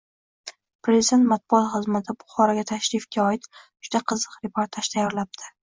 Prezident matbuot xizmati Buxoroga tashrifga oid juda qiziq reportaj tayyorlabdi.